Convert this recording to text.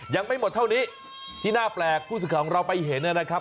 ยังไม่หมดเท่านี้ที่หน้าแปลกคู่สุขของเราไปเห็นอะไรครับ